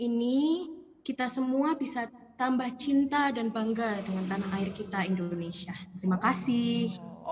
ini kita semua bisa tambah cinta dan bangga dengan tanah air kita indonesia terima kasih